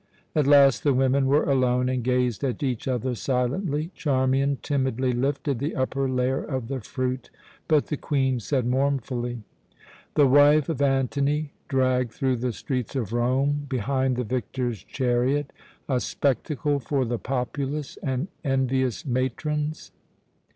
At last the women were alone, and gazed at each other silently. Charmian timidly lifted the upper layer of the fruit, but the Queen said mournfully: "The wife of Antony dragged through the streets of Rome behind the victor's chariot, a spectacle for the populace and envious matrons!"